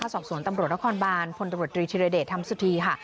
สอบสวนตำรวจละครบาลพลตรวจตรีธรเดชทำสุธีค่ะ